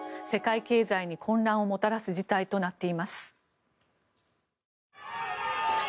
世界経済に混乱をもたらす事態となっています。